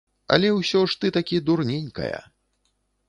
Але ўсё ж ты такі дурненькая.